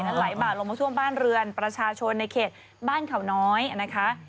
ไหลบาดลงมาท่วมบ้านเรือนประชาชนในเขตบ้านเขาน้อยนะคะ